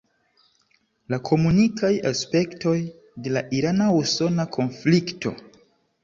La komunikaj aspektoj de la irana-usona konflikto.